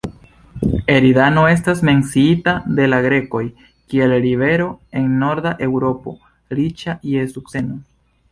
Eridano estas menciita de la grekoj, kiel rivero en norda Eŭropo, riĉa je sukceno.